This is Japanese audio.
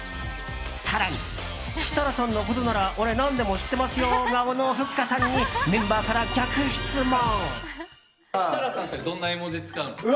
更に設楽さんのことなら俺、何でも知ってますよ顔のふっかさんにメンバーから逆質問。